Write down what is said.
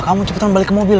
kamu cepetan balik ke mobil